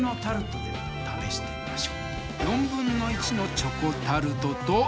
チョコタルトと。